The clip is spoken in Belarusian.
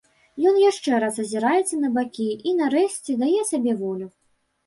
Ён яшчэ раз азіраецца на бакі і, нарэшце, дае сабе волю.